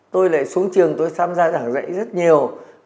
tôi lại xuống trường tôi tham gia giảng dạy rất nhiều